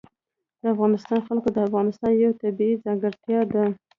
د افغانستان جلکو د افغانستان یوه طبیعي ځانګړتیا ده.